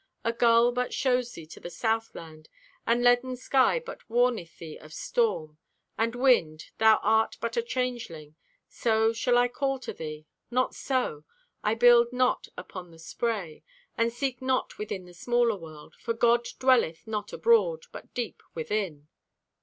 A gull but shows thee to the Southland, And leaden sky but warneth thee of storm. And wind, thou art but a changeling. So, shall I call to thee? Not so. I build not upon the spray, And seek not within the smaller world, For God dwelleth not abroad, but deep within.